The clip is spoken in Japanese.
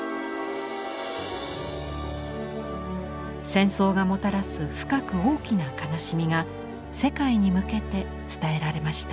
戦争がもたらす深く大きな悲しみが世界に向けて伝えられました。